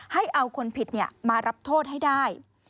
ให้เอาคนผิดมารับโทษให้ได้